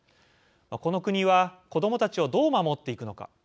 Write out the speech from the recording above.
この国は子どもたちをどう守っていくのか。